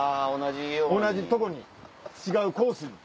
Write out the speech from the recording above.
同じとこに違うコースに。